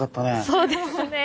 そうですね。